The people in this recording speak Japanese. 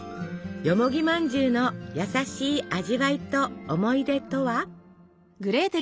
よもぎまんじゅうの優しい味わいと思い出とは？